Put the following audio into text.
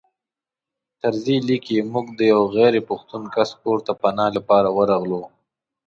طرزي لیکي موږ د یوه غیر پښتون کس کور ته پناه لپاره ورغلو.